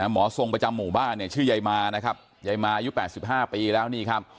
หมอทรงประจำหมู่บ้านเนี่ยชื่อยายมานะครับยายมาอายุ๘๕ปีแล้วนี่ครับ